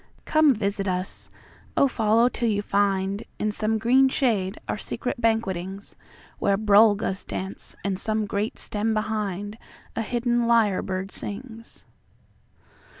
Come visit us; O follow till you findIn some green shade our secret banquetings, Where brolgas dance, and, some great stem behind,A hidden lyrebird sings.